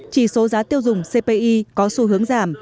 chỉ số giá tiêu dùng cpi có xu hướng giảm